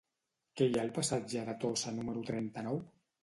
Què hi ha al passatge de Tossa número trenta-nou?